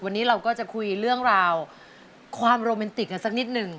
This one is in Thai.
วันนี้เราก็จะคุยเรื่องราวความโรแมนติกกันสักนิดหนึ่ง